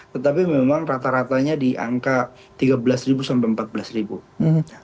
tetapi memang rata ratanya di angka tiga belas sampai empat belas